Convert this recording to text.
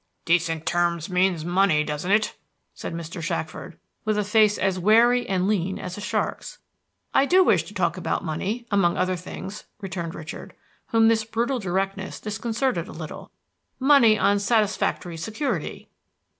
"Decent terms means money, doesn't it?" asked Mr. Shackford, with a face as wary and lean as a shark's. "I do wish to talk about money, among other things," returned Richard, whom this brutal directness disconcerted a little, "money on satisfactory security."